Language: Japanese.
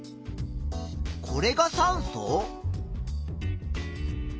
これが酸素？